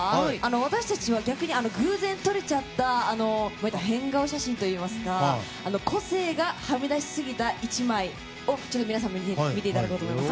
私たちは逆に偶然撮れちゃった変顔写真といいますか「個性がはみ出しすぎた１枚」を皆さんに見ていただこうと思います。